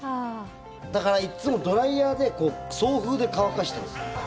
だからいっつもドライヤーで送風で乾かしてます。